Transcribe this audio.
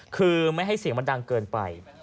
คือไม่ให้เสียงมันดังเกินไป